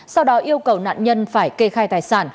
sau đó yêu cầu nạn nhân phải kê khai tài sản